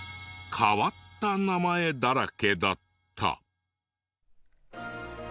変わった名前だらけだった。